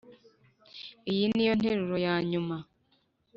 iyi niyo nteruro yanyuma